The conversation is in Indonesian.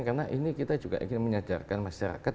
karena ini kita juga ingin menyadarkan masyarakat